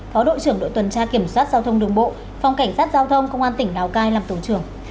phó đội trưởng đội tuần tra kiểm soát giao thông đường bộ phòng cảnh sát giao thông công an tỉnh lào cai làm tổ trưởng